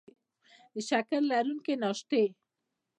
د شکرې لرونکي ناشتې